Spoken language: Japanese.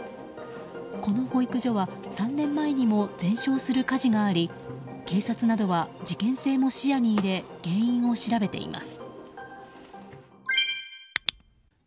この保育所は３年前にも全焼する火事があり警察などは事件性も視野に入れ原因を調べています。